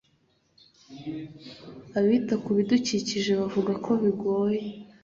abita ku bidukikije bavuga ko bigoye.